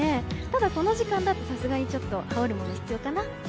ただ、この時間だとさすがに羽織るもの必要かな。